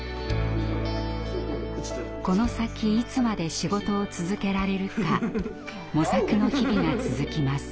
この先いつまで仕事を続けられるか模索の日々が続きます。